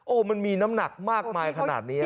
มันมีน้ำหนักมากมายขนาดนี้